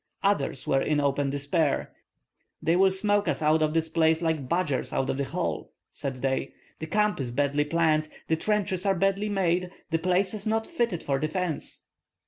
Others were in open despair. "They will smoke us out of this place like badgers out of a hole," said they. "The camp is badly planned, the trenches are badly made, the place is not fitted for defence."